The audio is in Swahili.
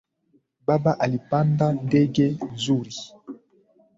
Baba alipanda ndege juzi